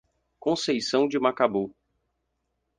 Conceição de Macabu